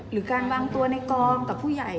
หรือการวางตัวในกองกับผู้ใหญ่